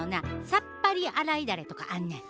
さっぱり洗いダレとかあんねん。